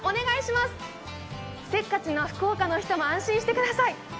せっかちな福岡の人も安心してください。